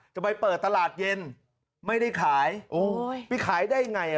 จะไปเปิดตลาดเย็นไม่ได้ขายโอ้ยไปขายได้ไง